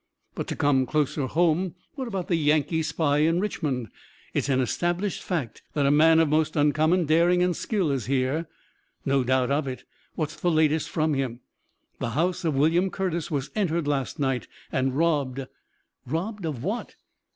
But to come closer home, what about the Yankee spy in Richmond? It's an established fact that a man of most uncommon daring and skill is here." "No doubt of it, what's the latest from him?" "The house of William Curtis was entered last night and robbed." "Robbed of what?"